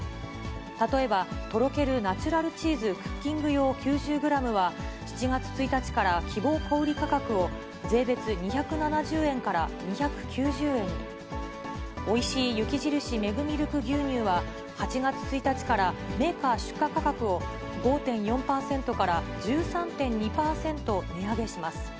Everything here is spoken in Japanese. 例えば、とろけるナチュラルチーズクッキング用９０ｇは、７月１日から希望小売り価格を税別２７０円から２９０円に。おいしい雪印メグミルク牛乳は、８月１日からメーカー出荷価格を５．４％から１３．２％値上げします。